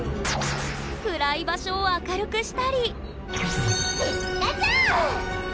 暗い場所を明るくしたりピカチュウ！